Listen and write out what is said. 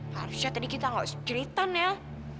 harusnya tadi kita gak cerita nil